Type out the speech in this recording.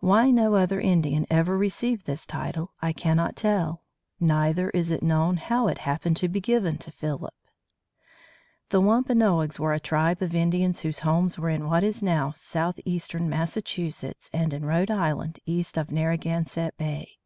Why no other Indian ever received this title I cannot tell, neither is it known how it happened to be given to Philip. The Wampanoags were a tribe of Indians whose homes were in what is now southeastern Massachusetts and in Rhode Island east of Narragansett Bay.